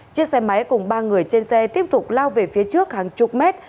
chiếc xe máy cùng ba người trên xe tiếp tục lao về phía trước hàng chục mét